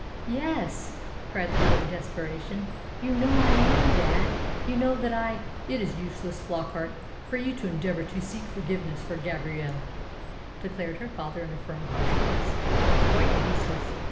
"Yes," cried the girl in desperation, "you know I am, dad. You know that I " "It is useless, Flockart, for you to endeavour to seek forgiveness for Gabrielle," declared her father in a firm, harsh voice, "Quite useless.